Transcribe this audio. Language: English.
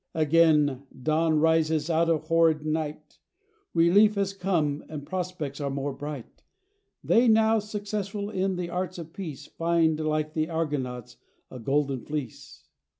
Again dawn rises out of horrid night, Relief has come and prospects are more bright; They, now successful in the arts of peace, Find, like the Argonauts, a golden fleece.